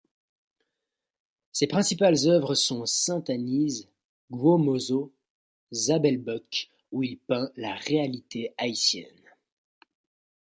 Ses principales œuvres sont Sintaniz, Gwo Moso, Zabèlbok où il peint la réalité haïtienne.